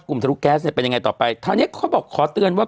ทะลุแก๊สเนี่ยเป็นยังไงต่อไปคราวนี้เขาบอกขอเตือนว่า